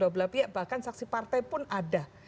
dua belah pihak bahkan saksi partai pun ada